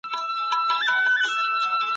ملکیت یو شرعي او قانوني حق دی.